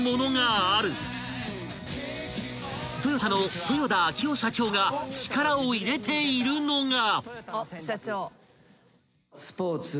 ［トヨタの豊田章男社長が力を入れているのが］